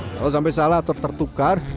kalau sampai salah atau tertukar